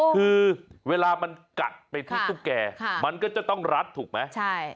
คือเวลามันกัดไปที่ตุ๊กแกมันก็จะต้องรัดถูกไหม